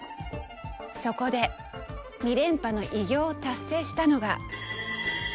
そこで２連覇の偉業を達成したのが。